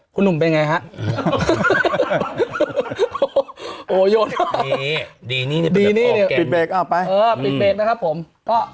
คุณหนุ่มเป็นไงฮะ